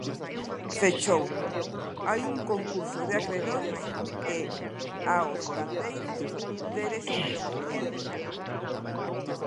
Fechou, hai un concurso de acredores e aos gandeiros débeselles diñeiro.